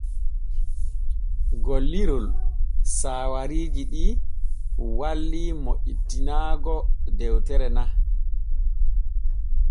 Gollirol saawariiji ɗi walli moƴƴitinaago dewtere na.